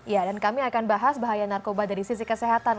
ya dan kami akan bahas bahaya narkoba dari sisi kesehatan